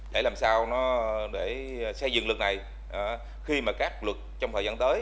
để làm sao nó để xây dựng luật này khi mà các luật trong thời gian tới